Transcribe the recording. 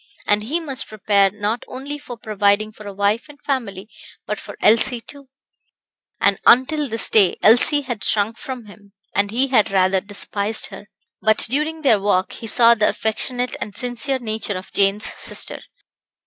And he must prepare not only for providing for a wife and family, but for Elsie, too; and until this day Elsie had shrunk from him, and he had rather despised her; but during their walk he saw the affectionate and sincere nature of Jane's sister.